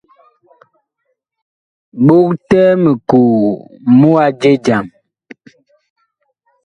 Bogtɛɛ mikoo mu a je jam.